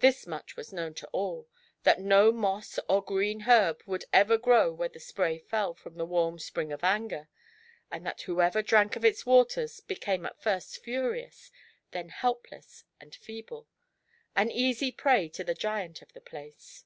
Thus much was known to all, that no moss or green herb would grow where the si)ray fell from the warm spring of Anger, and that whoever dmnk of its waters became at first furious, then helpless and feeble, an easy prey to the giant of the place.